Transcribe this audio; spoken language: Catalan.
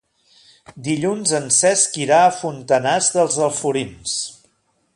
Dilluns en Cesc irà a Fontanars dels Alforins.